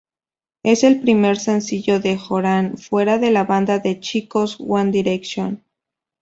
Es el primer sencillo de Horan fuera de la banda de chicos One Direction.